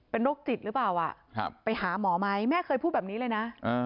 เป็นโรคจิตหรือเปล่าไปหาหมอไหมแม่เคยพูดแบบนี้เลยนะ